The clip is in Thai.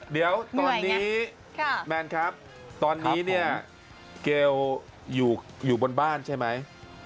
เดี๋ยวในนี้เกี๊ยวอยู่บนบ้านใช่ไหม